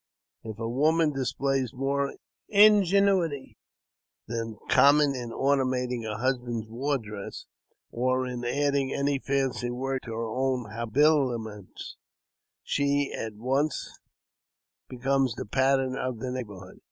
If a woman displays more ingenuity than common in ornamenting her husband's war dress, or in adding any fancy work to her own habiliments, she at once becomes the pattern of the neighbourhood.